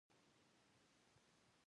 چي تر څنګ په تناره راسره ناست وې